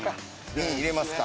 瓶入れますか。